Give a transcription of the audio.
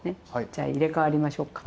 じゃあ入れ代わりましょうか。